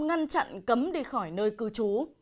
ngăn chặn cấm đi khỏi nơi cư trú